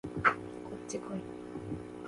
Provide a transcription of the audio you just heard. こっちこい